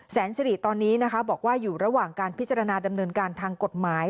สิริตอนนี้นะคะบอกว่าอยู่ระหว่างการพิจารณาดำเนินการทางกฎหมาย